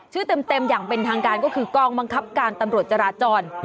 เต็มอย่างเป็นทางการก็คือกองบังคับการตำรวจจราจร